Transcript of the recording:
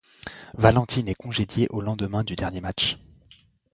Valentine est congédié au lendemain du dernier match.